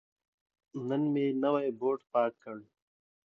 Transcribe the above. نن مې نوی بوټ پاک کړ.